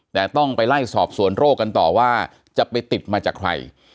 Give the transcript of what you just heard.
แต่ต้องไปไล่สอบสวนโรคกันต่อว่าจะไปติดมาจากใคร